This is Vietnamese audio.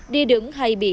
đi đứng hay bị bệnh